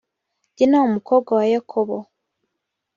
dina umukobwa wa yakobo